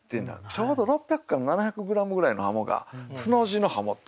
ちょうど６００から７００グラムぐらいの鱧が「つの字の鱧」って。